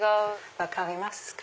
分かりますか？